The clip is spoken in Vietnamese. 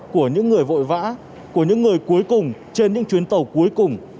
của những người vội vã của những người cuối cùng trên những chuyến tàu cuối cùng